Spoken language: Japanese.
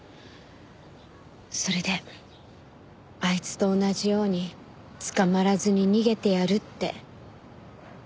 それであいつと同じように捕まらずに逃げてやるって。